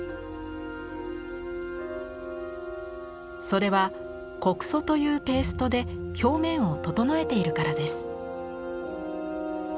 それは木屎というペーストで表面を整えているからです。